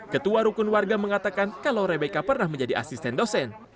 ketua rukun warga mengatakan kalau rebeka pernah menjadi asisten dosen